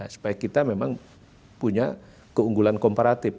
supaya kita memang punya keunggulan komparatif